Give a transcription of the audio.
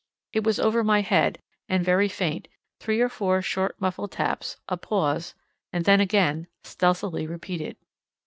It was over my head, and very faint—three or four short muffled taps, a pause, and then again, stealthily repeated.